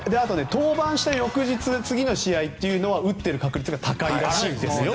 登板した翌日次の試合というのは打ってる確率が高いらしいですよ。